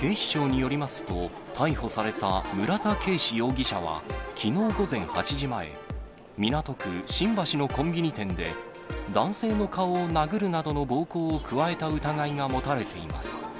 警視庁によりますと、逮捕された村田圭司容疑者はきのう午前８時前、港区新橋のコンビニ店で、男性の顔を殴るなどの暴行を加えた疑いが持たれています。